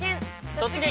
「突撃！